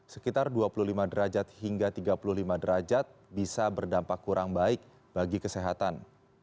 sekitar dua puluh lima derajat hingga tiga puluh lima derajat bisa berdampak kurang baik bagi kesehatan